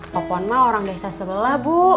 popon mah orang desa sebelah bu